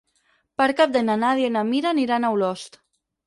Per Cap d'Any na Nàdia i na Mira aniran a Olost.